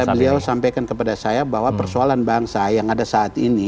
beliau sampaikan kepada saya bahwa persoalan bangsa yang ada saat ini